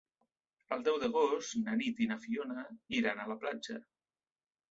El deu d'agost na Nit i na Fiona iran a la platja.